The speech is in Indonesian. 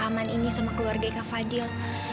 kepahaman ini sama keluarga kak fadil